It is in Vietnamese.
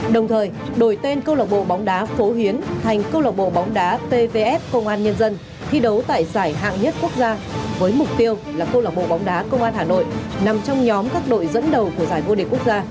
đồng thời đổi tên câu lạc bộ bóng đá phố hiến thành câu lạc bộ bóng đá pvf công an nhân dân thi đấu tại giải hạng nhất quốc gia với mục tiêu là câu lạc bộ bóng đá công an hà nội nằm trong nhóm các đội dẫn đầu của giải vô địch quốc gia